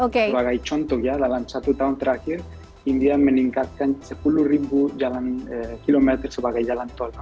sebagai contoh ya dalam satu tahun terakhir india meningkatkan sepuluh ribu jalan kilometer sebagai jalan tol